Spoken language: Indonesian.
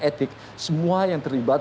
etik semua yang terlibat